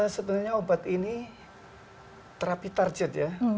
sebenarnya obat ini terapi target ya